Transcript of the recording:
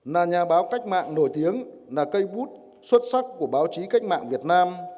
là nhà báo cách mạng nổi tiếng là cây bút xuất sắc của báo chí cách mạng việt nam